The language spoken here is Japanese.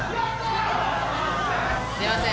すいません。